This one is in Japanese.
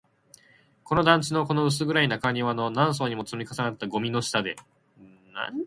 この団地の、この薄暗い中庭の、何層にも積み重なったゴミの下で